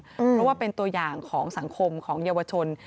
เพราะว่าเป็นตัวอย่างของสังคมของเยาวชน